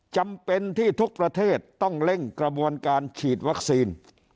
จำเป็นที่ทุกประเทศต้องเร่งกระบวนการฉีดวัคซีน